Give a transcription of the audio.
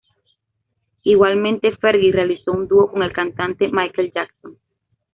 Igualmente, Fergie realizó un dúo con el cantante Michael Jackson.